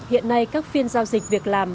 hiện nay các phiên giao dịch việc làm